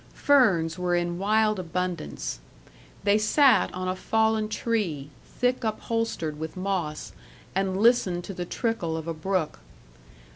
Ferns were in wild abundance. They sat on a fallen tree, thick upholstered with moss, and listened to the trickle of a brook.